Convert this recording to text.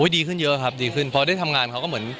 ดีขึ้นเยอะครับดีขึ้นพอได้ทำงานเขาก็เหมือน